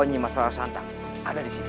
ini masalah santan ada di sini